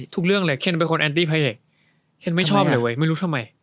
ทุกเรื่องเลยเคนเป็นคนแอนตี้พระเอกเคนไม่ชอบเลยเว้ยไม่รู้ทำไม